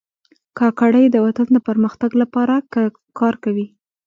کاکړي د وطن د پرمختګ لپاره کار کوي.